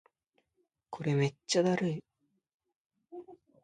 これめっちゃだるい